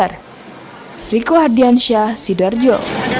riku hadiansyah sidarjo